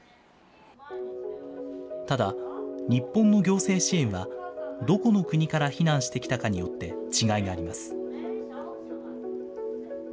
ただ、日本の行政支援はどこの国から避難してきたかによって違いがあります。